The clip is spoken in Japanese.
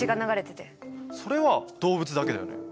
それは動物だけだよね。